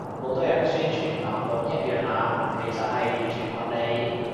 好多人宣傳藍綠一樣爛，其實係完全唔合理